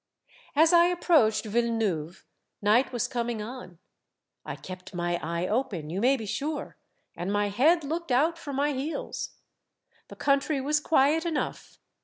"As I approached Villeneuve, night was coming on. I kept my eye open, you may be sure, and my head looked out for my heels. The country was quiet enough.